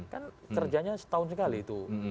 kan kerjanya setahun sekali itu